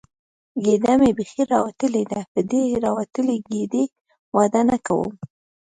ګېډه مې بیخي راوتلې ده، په دې راوتلې ګېډې واده نه کوم.